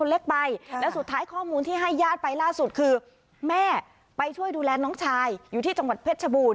เล็กไปแล้วสุดท้ายข้อมูลที่ให้ญาติไปล่าสุดคือแม่ไปช่วยดูแลน้องชายอยู่ที่จังหวัดเพชรชบูรณ